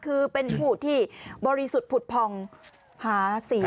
คือเป็นผู้ที่บริสุทธิ์ผุดผ่องหาเสียง